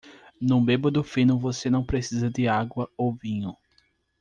No bêbado fino você não precisa de água ou vinho.